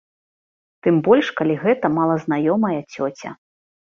Тым больш калі гэта малазнаёмая цёця.